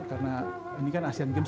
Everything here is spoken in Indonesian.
karena ini kan asian games